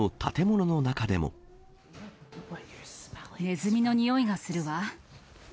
ネズミのにおいがするわ。